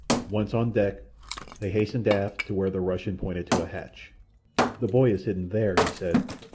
Once on deck they hastened aft to where the Russian pointed to a hatch. "The boy is hidden there," he said.